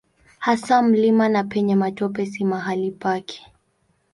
Hasa mlimani na penye matope si mahali pake.